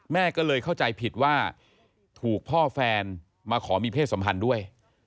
แม่ก็เลยเข้าใจผิดว่าถูกพ่อแฟนมาขอมีเพศสัมพันธ์ด้วย